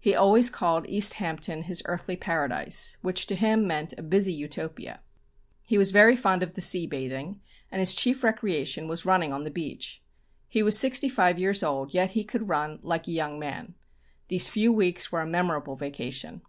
He always called East Hampton his earthly paradise, which to him meant a busy Utopia. He was very fond of the sea bathing, and his chief recreation was running on the beach. He was 65 years old, yet he could run like a young man. These few weeks were a memorable vacation.